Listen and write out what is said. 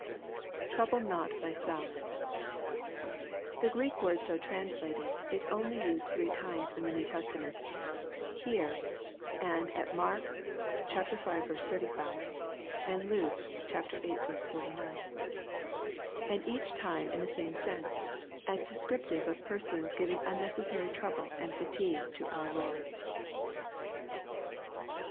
[Trovhle not thyself.] The Greek word so translated is only used three times in the New Testament : here, and at Mark v. 35, and Luke viii. 49 ; and each time in the same sense, as descriptive of persons giving unnecessary trouble and fatigue to our Lord.